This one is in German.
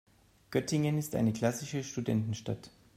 Göttingen ist eine klassische Studentenstadt.